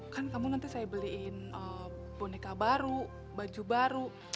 kan kamu nanti saya beliin boneka baru baju baru